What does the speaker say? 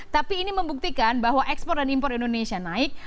tapi ini membuktikan bahwa ekspor dan impor indonesia naik